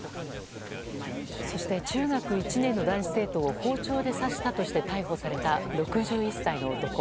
そして中学１年の男子生徒を包丁で刺したとして逮捕された６１歳の男。